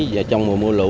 và trong mùa mưa lũ